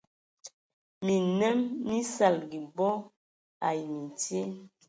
Minnǝm mí saligi bod ai mintye,